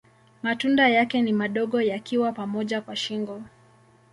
Matunda yake ni madogo yakiwa pamoja kwa shingo.